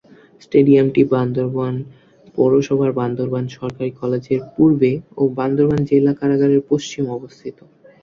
স্টেডিয়ামটি বান্দরবান পৌরসভার বান্দরবান সরকারি কলেজ-এর পূর্বে ও বান্দরবান জেলা কারাগারের পশ্চিমে অবস্থিত।